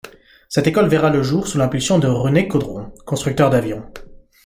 Cette école verra le jour sous l'impulsion de René Caudron, constructeur d'avions.